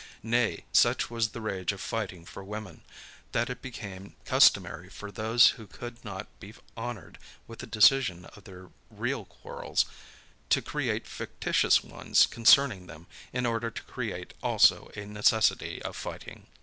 Nay, such was the rage of fighting for women, that it became customary for those who could not be honored with the decision of their real quarrels, to create fictitious ones concerning them, in order to create also a necessity of fighting.